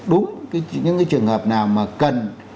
đúng những trường hợp nào mà cần